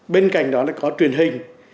bên cạnh đó là có truyền hình